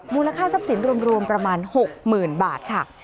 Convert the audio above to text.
มูลค่าทรัพย์สินรวมประมาณ๖หมื่นบาทค่ะ